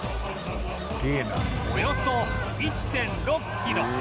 およそ １．６ キロ